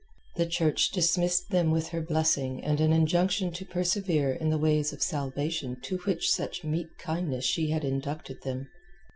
The Church dismissed them with her blessing and an injunction to persevere in the ways of salvation to which with such meek kindness she had inducted them.